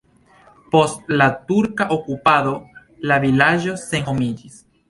Post la turka okupado la vilaĝo senhomiĝis.